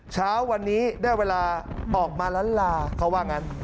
เช้าวันนี้ได้เวลาออกมาล้านลาเขาว่างั้น